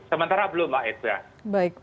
sementara belum mbak azira